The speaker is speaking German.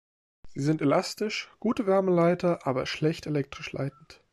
Sie sind elastisch, gute Wärmeleiter aber schlecht elektrisch leitend.